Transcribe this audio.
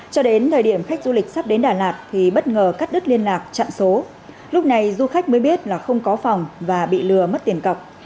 cho đến thời điểm khách du lịch sắp đến đà lạt thì bất ngờ cắt đứt liên lạc chặn số lúc này du khách mới biết là không có phòng và bị lừa mất tiền cọc